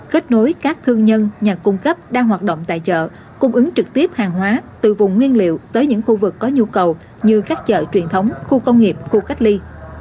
kết nối các thương nhân nhà cung cấp đang hoạt động tại chợ cung ứng trực tiếp hàng hóa từ vùng nguyên liệu tới những khu vực có nhu cầu như các chợ truyền thống khu công nghiệp khu cách ly